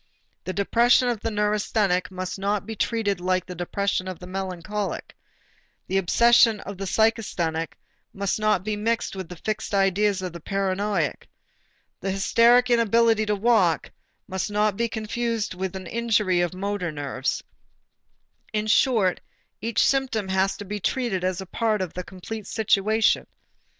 The depression of the neurasthenic must not be treated like the depression of the melancholic, the obsession of the psychasthenic must not be mixed with the fixed ideas of a paranoiac, the hysteric inability to walk must not be confused with an injury of the motor nerves; in short, each symptom has to be treated as part of a complete situation.